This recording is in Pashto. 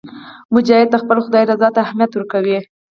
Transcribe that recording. مجاهد د خپل خدای رضا ته اهمیت ورکوي.